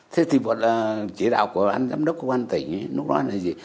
thế thì chỉ đạo của anh giám đốc công an tỉnh lúc đó là gì